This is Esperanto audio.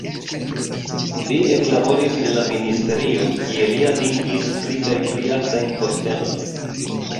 Li eklaboris en la ministerio, kie li atingis pli kaj pli altajn postenojn.